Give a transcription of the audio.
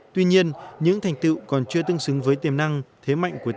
tuy nhiên những thành tựu còn chưa tương xứng với tiềm năng thế mạnh của tỉnh